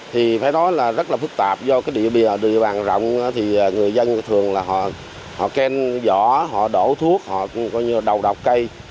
thì phải nói là rất là phức tạp do cái địa bàn rộng thì người dân thường là họ khen giỏ họ đổ thuốc họ đọc cây